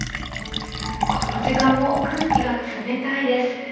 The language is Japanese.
この時間も空気が冷たいです。